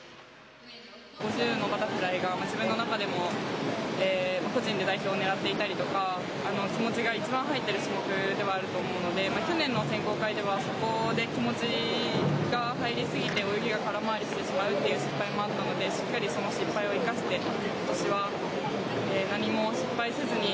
５０のバタフライが自分の中でも個人で代表を狙っていたりとか気持ちが一番入っている種目ではあると思うので去年の選考会ではそこで、気持ちが入りすぎて泳ぎが空回りしてしまうという失敗もあったのでしっかり、その失敗を生かして今年は何も失敗せずに